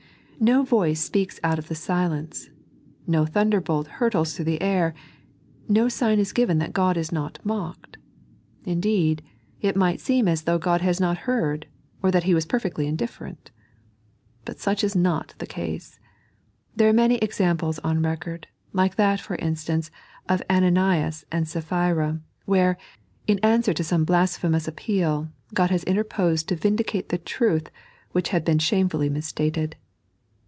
No voice speaks out of the silence ; no thunderbolt hurtles through the air ; no sign is given that Ood is not mocked. Indeed, it might seem as though God had not heard, or that He was perfectly indif ferent. But such is not the case. There are many examples on recM>rd, like that, for instance, of Ananias and Sapphira, where, in answer to some blasphemous appeal, Ood has interposed to vindicate the truth which had been shame fully mis stated.